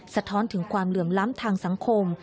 สะท้อนถึงความเหลื่อมล้ำทางสังคม